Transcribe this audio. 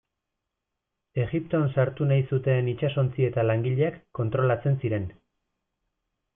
Egipton sartu nahi zuten itsasontzi eta langileak kontrolatzen ziren.